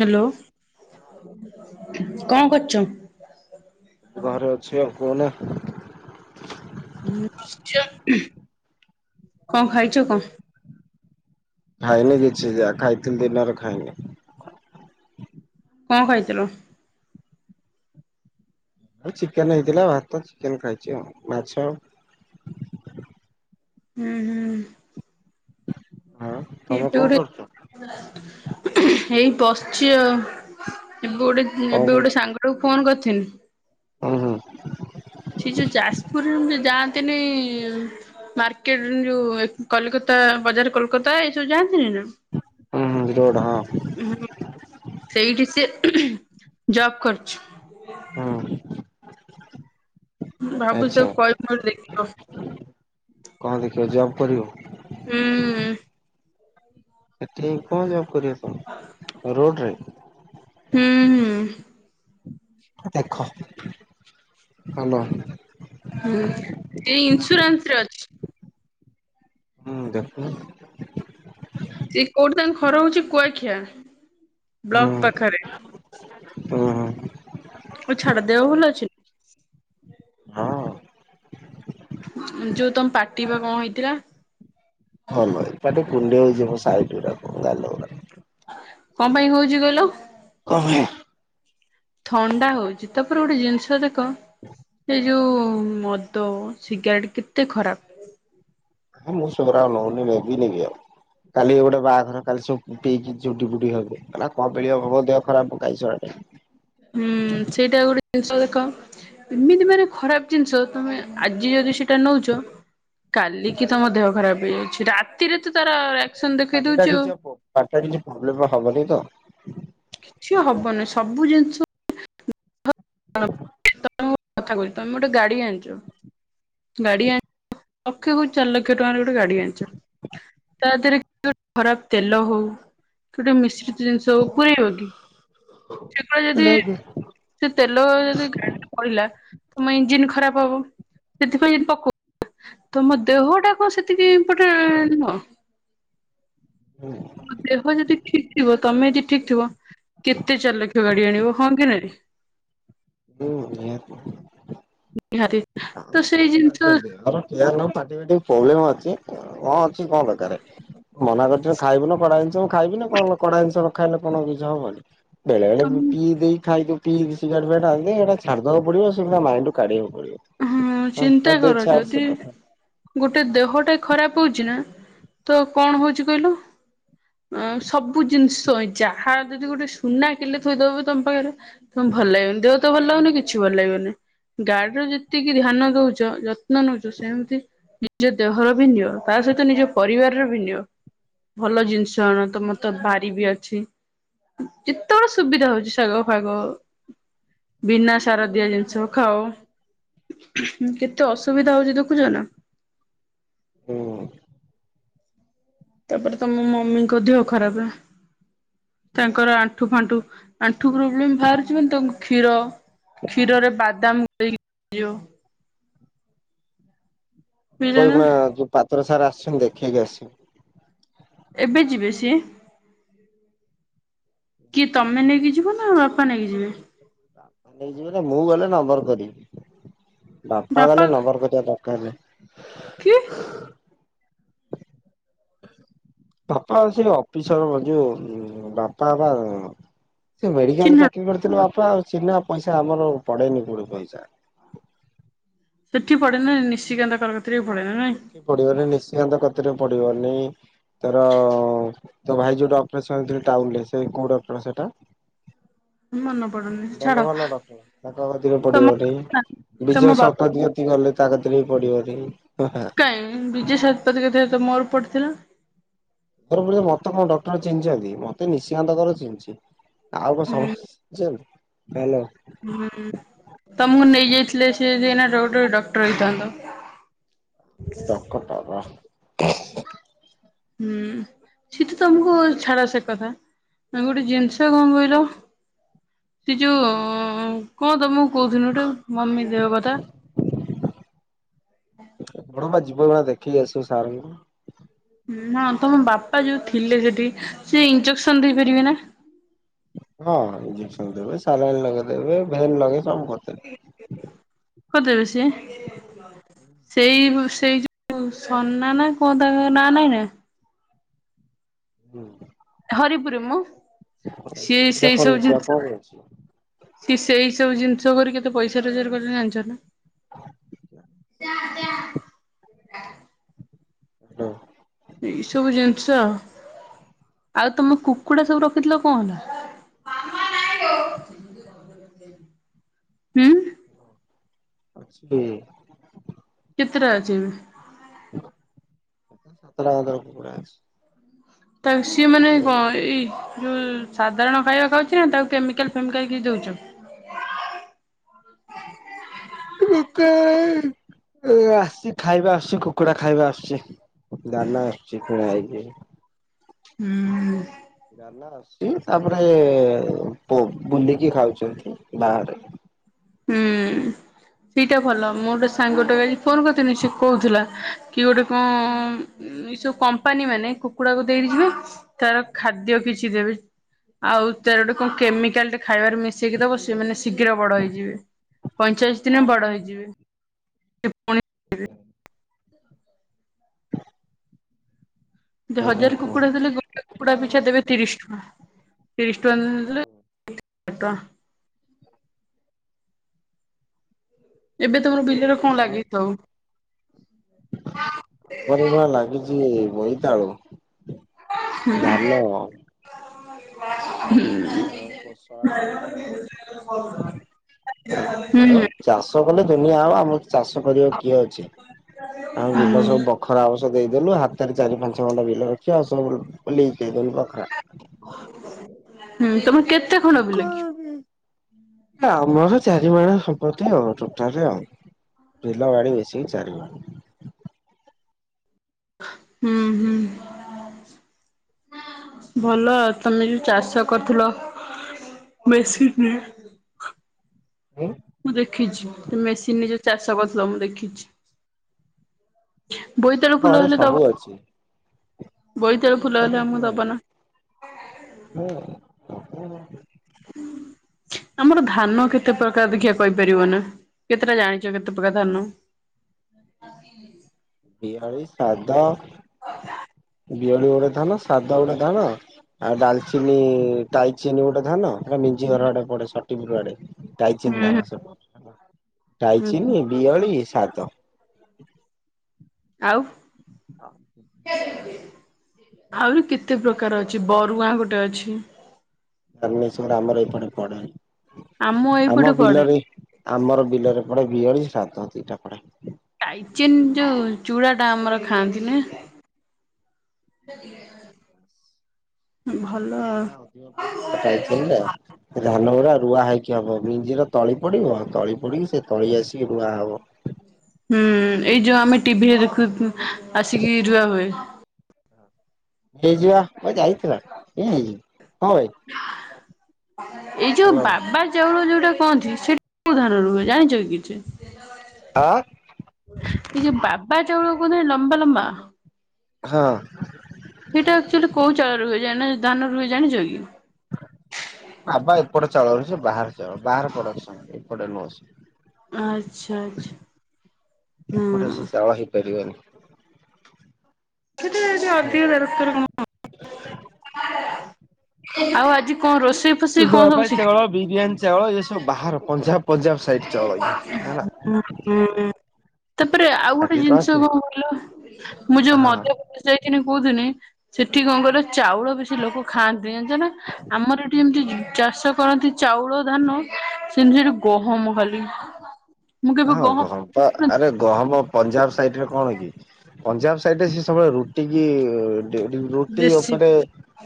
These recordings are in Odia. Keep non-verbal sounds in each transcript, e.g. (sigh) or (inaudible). ହ୍ୟାଲୋ କଣ କରୁଛ? ଘରେ ଅଛି ଆଉ କହୁନ? (unintelligible) କଣ ଖାଇଛ କ? ଖାଇନି କିଛି ଯାହା ଖାଇଥିଲି ଦିନରେ ଖାଇନି। କ ଖାଇଥିଲ? ଆଉ ଚିକେନ ହେଇଥିଲା ଭାତ ଚିକେନ ଖାଇଛି ଆଉ ମାଛ ହୁଁ ହୁଁ। ଆଉ ଏବେ ଗୋଟେ ଏଇ ବସିଚି ଆଉ ଏବେ ଗୋଟେ ଏବେ କଣ କରୁଛ? ଗୋଟେ ସାଙ୍ଗଟାକୁ ଫୋନ କରିଥିଲି। ହୁଁ ହୁଁ। ସେ ଯୋଉ ଯାଜପୁରରୁ ଯାଆନ୍ତିନି ମାର୍କେ ଯୋଉ କଲିକତା ବଜାର କୋଲକାତା ଏସବୁ ଯାଆନ୍ତିନି ନା? ହୁଁ ହୁଁ ରୋଡ ହଁ। ହୁଁ ସେଇଠି ସେ ଜବ୍ କରୁଛୁ। ହୁଁ। ଭାବୁଛି ଆଚ୍ଛା ତାକୁ କହିବି ଗୋଟେ ଦେଖିବ। କଣ ଦେଖିବ ଜବ୍ କରିବ? ହୁଁ। ଏଠିକି କଣ ଯବ କରିବ କ ରୋଡ ରେ? ହୁଁ ହୁଁ। ଦେଖ ହାଲୋ। ହୁଁ ସେ ଇନ୍ସୁରାନ୍ସ ରେ ଅଛି। ହୁଁ ଦେଖୁନୁ। ସେିଏ କୋଉଠି ତାଙ୍କ ଘର ହଉଛି କୁଆଖିଆ। ବ୍ଲକ ପାଖରେ ହଁ ଓହୋ। ଛାଡ ଦେହ ଭଲ ଅଛି। ହଁ। ଯୋଉ ତମେ ପାଟି ବା କଣ ହେଇଥିଲା। ହଁ ନଁ ପାଟେ ବୁଲିବାକୁ ହଉଛି (unintelligible) କଣ ପାଇଁ ହଉଛି କହିଲ। କଣ (inaudible) ଥଣ୍ଡା ହଉଛି ତାପରେ ଗୋଟେ ଜିନିଷ ଦେଖ। ହ ଏ ଯେଉଁ ମଦ ସିଗାରେଟ୍ କେତେ ଖରାପ। ମୁଁ ସେଗୁଡା ନେଇଉନି ନେବିନିବି ଆଉ। କାଲି ଗୋଟେ ବାହାଘର କାଲି ସବୁ ପେଇକି ଚଝୁଡି ବୁ ହବ ହେଲା କଣ ମିଳିଆ ହବ ଦେ ହୁଁ ସେଇଟା ଗୋଟେ ଜିନିଷ ଦେଖ ଏମିତି ମାନେ ଖରାପ ଜିନିଷ ତମେ ଆଜି ଯଦି ସେଟା ନଉଛ। କାଲି କିି ତମ ଦେହ ଖରାପ ହେଇଯାଉଛି ରାତିରେ ତ ତାର ରିଆକ୍ସନ ଦେଖେଇ ପାଣି ଟା ଦଉଛି ଆଉ କିଛି ପାଣିଟା କିଛି ପ୍ରୋବ୍ଲେମ ହବନି ତ। କିଛି ହବନି ସବୁ ଜିନିଷ ତମେ କଥା କହୁଛ ତମେ ଗୋଟେ ଗାଡି ଆଣିଛ। ଗାଡି ଆଣି ଲକ୍ଷ କ ଚାର ଲକ୍ଷ ଟଙ୍କାରେ ଗୋଟେ ଗାଡି ଆଣିଛ ତା ଦେହରେ ଗୋଟେ ଖରାପ ତେଲ ହଉ ଗୋଟେ ମିଶି ଜିନିଷ ପୁରଇବ କି ସେଗୁଡ ଯଦି ସେ ତେଲ ଯଦି ଗାଡିରେ ପଡିଲା ତମ ଇଞ୍ଜିିନ ଖରାପ ହବ। ସେଥିପାଇଁ ପକଉ ତମ ଦେହଟା କଣ ସେତିକିଇଟା ନୁହ। ହଁ। ହୁଁ। ଦେହ ଯଦି ଠିକ ଥିବ ତମେ ଯଦି ଠିକ ଥିବ କେତେ ଚାର ଲକ୍ଷ ଗାଡି ଆଣିବ ହଁ କି ନାହିଁ। ହୁଁ ନିତି (unintelligible) ନିହାତି ତ ସେଇ ଜିନିଷ କଣ ଦରଟି ପ୍ରବ୍ଲେମ୍ ଅଛି କଣ ଅଛି କଣ ଦରକାର। ମନା କରିଛ ଖାଇବୁ ନା କଡା ଜିନିଷ ମୁ ଖାଇବି କଣ କଡା ଜିନିଷ ନ ଖାଇଲେ କଣ କିଛି ହବନି। ତମ ବେଳେବେଳେ ପିଇ ଦେଇ ଖାଇଦି ସିଗାରେଟ ଫିଗାରେଟ ସେଟା ଛାଡିଦବାକୁ ପଡିବ ମାଇଣ୍ଡୁ କାଢେଇ ଦେବାକୁ ପଡିବ। ହଁ ହଁ ଚିନ୍ତା ଦେ କର ଛାଡ ସେ ଯଦି କଥା ଗୋଟେ ଦେହଟା ଖରାପ ହଉଛି ନା ତ କଣ ହଉଛି କହିଲ। ଅ ସବୁ ଜିନିଷ ଯାହା ଯଦି ଗୋଟେ ସୁନା କିଣିଲେ ଥୋଇଦବ ତମ ପାଖରେ ତେ ଭଲ ଲାଗିବନି ଦେହ ତ ଭଲ ଲାଗୁନି କିଛି ଭଲ ଲାଗିବନି ଗାଡିର ଯଦି ଏତିକି ଧ୍ୟାନ ଦଉଛ ଯତ୍ନ ନଉଛ ସେମିତି ନିଜ ଦେହର ବି ନିଅ ତା ସହିତ ନିଜ ପରିବାରର ବି ନିଅ। ଭଲ ଜିନିଷଣ ତ ମତେ ବାଡ଼ି ବି ଅଛି। ଯେତେବେଳେ ସୁବିଧା ହଉଛି ଶାଗ ଫାଗ। ଭିନା ଶାରଦିଆ ନିମଷ ଖାଅ। କେତେ ଅସୁବିଧା ହଉଛି ଦେଖୁଛ ନା। ହୁଁ। ତାପରେ ତମ ମମିଙ୍କ ଦେହ ଖରାପ ତାଙ୍କର ଆଣ୍ଠୁ ଫାଣ୍ଠୁ। ଆଣ୍ଠୁ ପ୍ରୋବ୍ଲେମ ବାହାରୁଛିିବି ତା କ୍ଷୀର କ୍ଷୀରରେ ବାଦାମ ଦେଇଦିଅ। ବୁଝିଲ କ ନା ଯୋଉ ପାତ୍ର ସାର ଆସିଛନ୍ତି ଦେଖେଇକି ଆସି। ଏବେ ଯିବେ ସିଏ। କିଏ ତମେ ନେଇକି ଯିବ ନା ବାପା ନେଇକି ଯିବେ। ବାପା ନେଇଯିବ ମୁଁ ଗଲେ ନମ୍ବର କରିବି। ବାପା ଗଲେ ନମ୍ବର କରିବା ଦରକାର ହେଲେ। କିଏ? ବାପା ସେ ଅଫିସର ଯୋଉ ବାପା ବାବା ସେ ମେଡିକାଲରେ ଚିହ୍ନା ଚାକିରି କରିଥିଲେ ବାପା ଆଉ, ଚିହ୍ନା ପଇସା ଆମର ପଡେନି କୋଉଠି ପଇସା। ସିଠି ପଡେନା ନିସିକାନ୍ତ (unintelligible) ବି ପଡେ ନା ନାଇଁ? ଏଠି ପଡିବନି ନିଶିକାନ୍ତ କତିରେ ପଡିବନି। ତାର ତୋ ଭାଇ ଯୋଉଟି ଅପରେସନ ହେଇଥିଲେ, ଟାଉନରେ ସେ କୋଉ ଡକ୍ଟର ସେଇଟା? ମନେ ପଡୁନି ଛାଡ ଭଲ ଭଲ ଡକ୍ଟର ତାଙ୍କ କତିରେ ତମ ପଡିବନେଇ, ତମ ବିଜୟ ବାପା ଶତପଥୀ ଗଲେ ତା କତିରେ ବି ପଡିବନେଇ। ହାଁ କାଇଁ ବିଜୟ ଶତପଥୀ କତିରେ ତ ମୋର ପଡିଥିଲା। (unintelligible) ମତେ କଣ ଡକ୍ଟର ଚିହ୍ନିଛନ୍ତି, ମତେ ନିଶିକାନ୍ତ କର ଚିହ୍ନିଚି। ଆଉ କଣ ସମ (unintelligible) ହ୍ୟାଲୋ। ହୁଁ ତମକୁ ନେଇଯାଇଥିଲେ ସେ ଯେ ଏଇନା ଡକ୍ଟର, ଡକ୍ଟର ହେଇଥାନ୍ତ। ଡକଟର ହୁଁ ସିଏ ତ ତମକୁ ଛାଡ ସେ କଥା। ଆ ଗୋଟେ ଜିନିଷ କଣ କହିଲ? ସେ ଯୋଉ କଣ ତମକୁ କହୁଥିଲି ଗୋ, ମମି ଦେହ କଥା ବଡ ମା ଯିବ ବା ଦେଖେଇ ଆସିବ ସାର୍ ଙ୍କୁ। ହଁ ତମ ବାପା ଯୋଉ ଥିଲେ ସେଠି, ସେ ଇଞ୍ଜେକ୍ସନ ଦେଇପାରିବେ ନା? ହଁ ଇଜେକ୍ସନ ଦେବେ, ସାଲାଇନ୍ ଲଗେଇଦେବେ, ଭେନ୍ ଲଗେଇ ସବୁ କରିଦେବେ। କରିଦେବେ ସିଏ? ସେଇ ସେଇ ଯୋଉ ସନା ନା କଣ ତାଙ୍କ ନାଁ ନାଇଁ ନା? ହୁଁ। ହରିପୁରରେ ମ, ସିଏ ସେଟା ସେଇ କଣ ସବୁ ସେଟା ଜିନିଷ କଣ କରୁଛି ସିଏ ସେଇ ସବୁ ଜିନିଷ କରି, କେତେ ପଇସା ରୋଜଗାର କରୁଚନ୍ତି ଜାଣିଛ ନା? ହ୍ୟାଲୋ। ଏଇ ସବୁ ଜିନିଷ, ଆଉ ତମେ କୁକୁଡା ସବୁ ରଖିଥିଲ କଣ ହେଲା? ହୁଁ। ଅଛି। କେତେଟା ଅଛି ଏବେ? ସାତଟା ମାତ୍ର କୁକୁଡ଼ା ଅଛି। ତାହେଲେ ସିଏ ମାନେ କଣ, ଏଇ ଯୋଉ ସାଧାରଣ ଖାଇବା ଖାଉଛି, ନା ତାକୁ କେମିକାଲ ଫେମିକାଲ କିଛି ଦଉଚ? (unintelligible) ଆସିଛି ଖାଇବା ଆସୁଛି କୁକୁଡା ଖାଇବା ଆସୁଛି। ଦାନା ଆସୁଛି କିଣା ହେଇକିରି। ହୁଁ। ଦାନା ଆସୁଛି, ତାପରେ ବୁଲିକି ଖାଉଛନ୍ତି ବାହାରେ। ହୁଁ ସେଇଟା ଭଲ, ମୁଁ ଗୋଟେ ସାଙ୍ଗଟାକୁ ଆଜି ଫୋନ କରିଥିଲି ସେ କହୁଥିଲା କି ଗୋଟେ କଣ, ଏ ସବୁ କମ୍ପାନୀ ମାନେ କୁକୁଡାକୁ ଦେଇକି ଯିବେ ତାର ଖାଦ୍ୟ କିଛି ଦେବେ, ଆଉ ତାର ଗୋଟେ କଣ କେମିକାଲ୍ ଟେ ଖାଇବାରେ ମିଶେଇକି ଦବ, ସେମାନେ ଶୀଘ୍ର ବଡ ହେଇଯିବେ ପଇଁଚାଳିଶ ଦିନେ ବଡ ହେଇଯିବେ। ପୁଣି (unintelligible) ଯଦି ଆଉ ହଜାର କୁକୁଡ଼ା ଦେଲେ, ଗୋଟେ କୁକୁଡା ପିଛା ଦେବେ ତିରିଶ ଟଙ୍କା। ତିରିଶ ଟଙ୍କା ଦେଲେ (unintelligible) ଏବେ ତମର ବିଲରେ କଣ ଲାଗିଚି ସବୁ? ଆମର ବା ଲାଗିଛି ବୋଇତାଳୁ ଧାନ ଆଉ ହୁଁ- ହୁଁ। ତାପରେ କୋଶଳା ଶାଗ ଆଉ ହୁଁ (unintelligible) ଚାଷ କଲେ ଦୁନିଆ ହବ ଆମର ଚାଷ କରିବାକୁ କିଏ ଅଛି ଆମ ବିଲ ସବୁ ବ ଖରା ଆମର ସବୁ ଦେଇଦେଲୁ ହାତରେ ଚାରି ପାଞ୍ଚ ଖଣ୍ଡ ବିଲ ରଖି ଆଉ ସବୁ ନେଇ ଦେଇଦେଲୁ ବଖରା। ହୁଁ ତମ କରି ଆମର ଚାରି ମାଣ ସମ୍ପତ୍ତି ଆଉ ଟୋଟାଲି ଆଉ। ବିଲ ବାଡ଼ି ମିଶିକି ଚାରିଗୁ ହୁଁ ହୁଁ। ଭଲ ତମେ ଯୋଉ ଚାଷ କରିଥିଲ ମେସିନି। ହୁଁ। ମୁଁ ଦେଖିଚି ମେସିନରେ ଯୋଉ ଚାଷ କରୁଥିଲ ମୁଁ ଦେଖିଛି। ବୋଇତାଳୁ ଆମ ଫୁଲ ଘରେ ହେଲେ ଦବ ସବୁ ଅଛି। ବୋଇତାଳୁ ଫୁଲ ହେଲେ ଆମକୁ ଦବ ନା (unintelligible) (inaudible) ଆମର ଧାନ କେତେ ପ୍ରକାର ଦେଖିଆ କହିପାରିବ ନା କେତେଟା ଜାଣିଚ କେତେ ପ୍ରକାର ଧାନ? (inaudible) ବିହଳି, ସ୍ରାଦ ବିହଳି ଗୋଟେ ଧାନ ସାଦ ଗୋଟେ ଧାନ। ଆଉ ଡାଲଚିନି ଟାଇଚିନି ଗୋଟେ ଧାନ ସେଟା ନିଜ ଘରଆଡେ ପଡେ ଷଠୀପୁର ଆଡେ ହୁଁ ଟାଇଚିନି ଧାନ ସେ (inaudible) ହୁଁ ହୁଁ ଟାଇଚିନି, ବିହଳି, ସାଦ। ଆଉ। ହ ଆହୁରି କେତେ ପ୍ରକାର ଅଛି ବରୁଆଁ ଗୋଟେ ଅଛି। ଧବଳେଶ୍ଵର ଆମର ଏପଟେ ପଡେ ଏଇପଟେ ଆମ ପଡେ ବିଲରେ। ଆମର ବିଲରେ ପଡେ ବିହଳି, ଶ୍ରାଦ ଦିଟା ପଡେ। ଟାଇଚିନ୍ ଯୋଉ ଚୁଡ଼ାଟା ଆମର ଖାଆନ୍ତି ନା। (inaudible) ଟାଇଚିନ ଭଲ ଟା ଅଧିକ ପଇସା ଟାଇଚିନ ଟା। ଧାନ ଗୁଡା ରୁଆ ହେଇକି ହବ ମିଞ୍ଜିର ତଳି ପଡିବ ତଳି ପଡିକି ସେ ତଳି ଆସିକି ରୁଆ ହବ। ହୁଁ ଏଇ ଯୋଉ ଆମେ ଟିଭିରେ ଦେଖୁ ଉଁ ଆସିକି ରୁଆ ହୁଏ। ହେଇଯିବା ଏ ଯାଇଥିଲା କଣ ହେଇଚି। ଏଇ ଯୋଉ ହ୍ୟାଲୋ ବାବା ଚାଉଳ ଯୋଉଟା କହନ୍ତି ସେ କୋଉ ଧାନରୁ ହୁଏ ଜାଣିଚ କି କିଛି? ଆ। ଏଇ ଯୋଉ ବାବା ଚାଉଳ କୁହନ୍ତିନି ଲମ୍ବା ଲମ୍ବା। ହଁ। ସେଇଟା ଆକ୍ଚୁଆଲି କୋଉ ଚାଉଳ ରେ ହୁଏ ଯାନ ଧାନରୁ ହୁଏ ଜାଣିଚ କି? ନା ବା ଏପଟ ଚାଉଳ ନୁହେ ସେ ବାହାର ଚାଉଳ ବାହାର ପ୍ରଡକ୍ସନ ଏପଟେ ନୁହଁ ଆଚ୍ଛା ସିଏ। ଆଚ୍ଛା। ଏପଟେ ସେ ହୁଁ। ଚାଉଳ ହେଇପାରିବନି। (inaudible) ସେଟା ଟିକେ ଅଧିକ ଦରକାର କ ହ (inaudible) ଆଉ ଆଜି କଣ ରୋଷେଇ? ଫୋଷେଇ କଣ ସବୁ ବାପାଇ ଶିଖି ଚାଉଳ, ବିରିୟାନୀ ଚାଉଳ ଏଇ ସବୁ ବାହାର ପଞ୍ଜାବ। ପଞ୍ଜାବ ସାଇଡ ଚାଉଳ ଇଏ ହେଲା। ତାପରେ ଆଉ ଗୋଟେ ଷାଠିଏ ଟଙ୍କା ଜିନଷ କି କଣ କହିଲ ମୁଁ ଯୋଉ ହଁ ମଧ୍ୟ ପ୍ରଦେଶ ଯାଇଥିନି କୋଉଥିନି ସେଠି କଣ କହିଲ ଚାଉଳ ବେଶୀ ଲୋକ ଖାଆନ୍ତିନି ଜାଣିଚ ନା ଆମର ଏଠି ଯେମିତିି ଜୁ ଚାଷ କରନ୍ତି ଚାଉଳ, ଧାନ ସେମିତି ସେଠି ଗହମ ଖାଲି। ମୁଁ କେବେ ହଁ ଗହମ ପା ଆରେ ଗହମ ପଞ୍ଜାବ ସାଇଟ୍ ରେ କଣ କି। ପଞ୍ଜାବ ସାଇଡ୍ ରେ ସେ ସବୁବେଳେ ରୁଟି କି ଡେ ଡି ରୁଟି ବେଶୀ ଓପୋରେ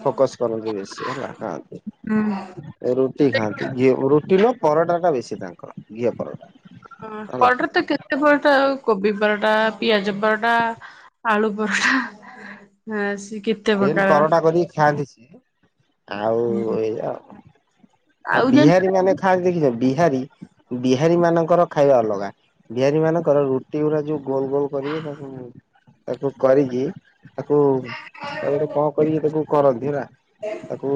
ଫୋକସ୍ କରନ୍ତି ବେଶୀ ହେଲା ଖାଆନ୍ତି। ରୁଟି ଖାଆନ୍ତି ଘିଉ ରୁଟି ନୁହ ପରଟା ଟା ବେଶୀ ତାଙ୍କର ଘିଅ ପରଟା। ଆ ହେଲା ପରଟା ରେ ତ କେ ତେ ପରଟା ଆଉ କୋବି ପରଟା, ପିଆଜ ପରଟା, ଆଳୁ ପରଟା, ଆ ସିକିପ- ଦେନ୍ ପରଟା କରିକି ଖାଆନ୍ତି ସିଏ, ଆଉ ଏଇଆ ଆଉ, ଆଉ ଜାଣିଛ ବିହାରୀ ନା ମାନେ ଦେଖିଛ ବିହାରୀ ବିହାରୀ ମାନଙ୍କର ଖାଇବା ଅଲଗା ବିହାରୀ ମାନଙ୍କର ରୁ ଟି ଗୁରା ଯୋଉ ଗୋଲ ଗୋଲ କରିକି ତାକୁ ତାକୁ କରିକି ତାକୁ ତାକୁ ଗୋଟେ କଣ କରିକି ତାକୁ କରନ୍ତି ହେଲା ତାକୁ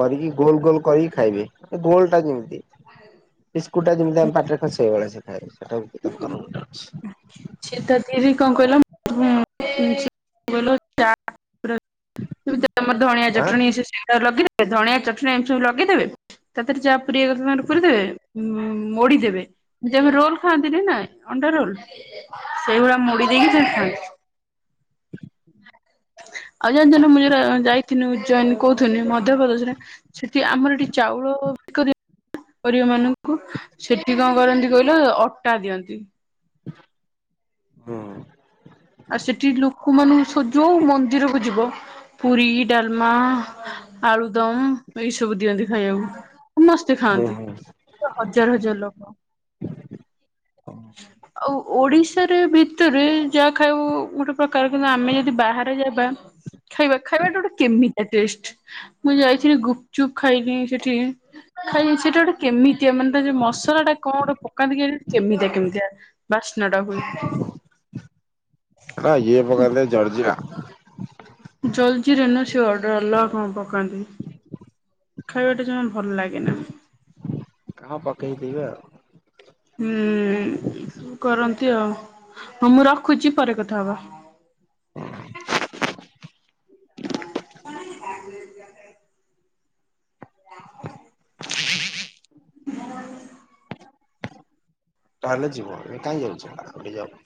କରିକି ଗୋଲ ଗୋଲ କରି ଖାଇବେ ଗୋଲ ଟା ଯେମିତି ବିସ୍କୁଟ ଟା ଯେମିତି ଆମେ ପାଟିରେ ଖାଉ ସେଇଭଳିଆ ସେମି ଥାଏ, ସେଟା ଗୋଟେ ତାଙ୍କର ରୁଲ୍ ସେ ଅଛି। ତା କଣ କହିଲ? (inaudible) ତମର ଧଣିଆ ଆଁ ଚଟଣି ସେ ଲଗେଇଦେବେ ଧଣିଆ ଚଟଣି ଏମିତି ସବୁ ଲଗେଇଦେବେ ତାପରେ ଯାହା ପୁରେଇ ବା କଥା ତାଙ୍କର ପୁରେଇ ଦେବେ ମୋଡିଦେବେ ଯେମିତି ଆମେ ରୋଲ ଖାଆନ୍ତି ନା ନାଇ ଅଣ୍ଡା ରୋଲ ସେଇଭଳିଆ ମୋଡ଼ି ଦେଇକି ସେମାନେ ଖାଆନ୍ତି। ଆଉ ଜାଣିଚନା ମୁଁ ଯାଇଥିଲି ଉଜ୍ଜୟିନି କହୁଥିଲି ମଧ୍ୟପ୍ରଦେଶରେ ସେଠି ଆମର ଏଠି ଚାଉଳ ଗରିବ ମାନଙ୍କୁ ସେଠି କଣ କରନ୍ତି କହିଲ ଅଟା ଦିଅନ୍ତି। ହୁଁ। ଆଉ ସେଠି ଲୋକୋମାନଙ୍କ ସହ ଯୋଉ ମନ୍ଦିରକୁ ଯିବ ପୁରୀ, ଡାଲମା ଆଳୁ ଦମ୍ ଏଇ ସବୁ ଦିଅନ୍ତି ଖାଇବାକୁ ସମସ୍ତେ ହୁଁ ଖାଆନ୍ତି। ହୁଁ ହଜାର ହଜାର ଲୋକ। ଆଉ ଓଡିଶାରେ ଭିତରେ ଯା ଖାଉ ଗୋଟେ ପ୍ରକାର କିନ୍ତୁ ଆମେ ଯଦି ବାହାରେ ଯିବା ଖାଇବା ଖାଇବାଟା ଗୋଟେ କେମିତି ଅଲଗା ଟେଷ୍ଟ୍। ମୁଁ ଯାଇଥିଲି ଗୁପଚୁପ୍ ଖାଇଲି ସେଠି ଖାଇ ସେଟା ଗୋଟେ କେମିତିଆ ମାନେ ତା ଯୋଉ ମସଲା ଟା କଣ ଗୋଟେ ପକାନ୍ତି କି କେମିତିଆ କେମିତିଆ ବାସ୍ନାଟା ହୁଏ। ହଁ ଇଏ ପଙ୍କାନ୍ତେ ଜଲଜିରା ଜଲ୍ ଜିରା ନୁହଁ ସେ ଅର୍ଡ଼ର ଅଲଗା କଣ ପକାନ୍ତି। ଖାଇବାଟା ଜମା ଭଲ ଲାଗେନା (inaudible) କଣ ପକେଇଥିବେ ଆଉ ହୁଁ ଉଁ କରନ୍ତି ଆଉ ହଁ ମୁଁ ରଖୁଛି ପରେ କଥା ହବା। (inaudible) (inaudible) ତାହେଲେ ଯିବ କାହିଁ ଯାଉଛ ଆଉ ଟିକେ ଯାଉ,